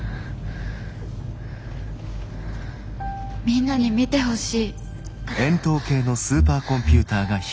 みんなに見てほしい。